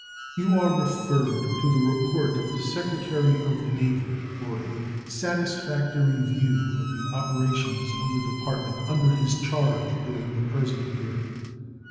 You are referred to the report of the Secretary of the Navy for a satisfactory view of the operations of the Department under his charge during the present year.